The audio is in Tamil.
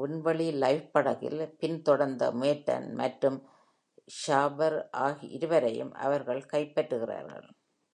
விண்வெளி லைஃப் படகில் பின்தொடர்ந்த மேட்டன் மற்றும் ஜாஃபர் இருவரையும் அவர்கள் கைப்பற்றுகிறார்கள்.